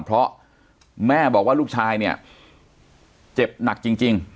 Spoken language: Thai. เพราะแม่บอกว่าลูกชายเนี่ยเจ็บหนักจริง